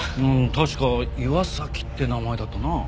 確か岩崎って名前だったな。